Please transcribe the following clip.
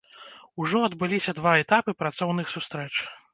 Ужо адбыліся два этапы працоўных сустрэч.